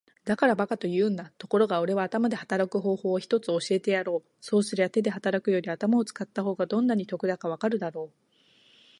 「だから馬鹿と言うんだ。ところがおれは頭で働く方法を一つ教えてやろう。そうすりゃ手で働くより頭を使った方がどんなに得だかわかるだろう。」